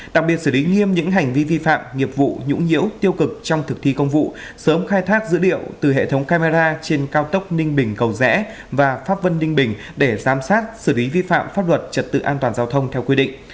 đặc biệt xử lý nghiêm những hành vi vi phạm nghiệp vụ nhũng nhiễu tiêu cực trong thực thi công vụ sớm khai thác dữ liệu từ hệ thống camera trên cao tốc ninh bình cầu rẽ và pháp vân ninh bình để giám sát xử lý vi phạm pháp luật trật tự an toàn giao thông theo quy định